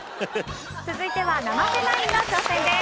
続いては生瀬ナインの挑戦です。